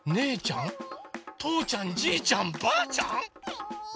とーちゃんじーちゃんばーちゃん？